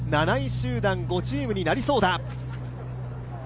７位集団、５チームになりそうだ。